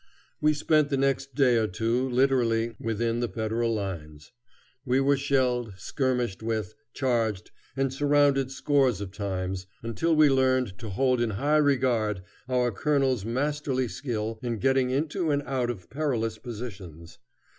We spent the next day or two literally within the Federal lines. We were shelled, skirmished with, charged, and surrounded scores of times, until we learned to hold in high regard our colonel's masterly skill in getting into and out of perilous positions.